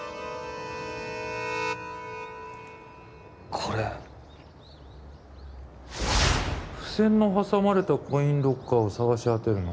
これ付箋の挟まれたコインロッカーを探し当てるの？